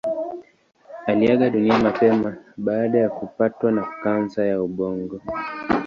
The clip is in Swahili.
Aliaga dunia mapema baada ya kupatwa na kansa ya ubongo.